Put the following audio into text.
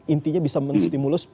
intinya bisa menstimulus